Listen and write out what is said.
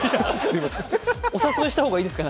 お誘いした方がいいですか？